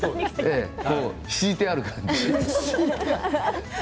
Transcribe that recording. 敷いてある感じ。